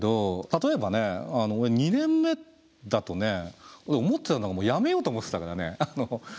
例えばね俺２年目だとね思ってたのがもうやめようと思ってたからね。